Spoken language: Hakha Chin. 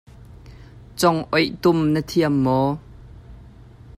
Congoih tum na thiam maw?